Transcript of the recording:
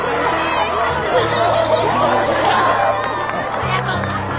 ありがとうございます！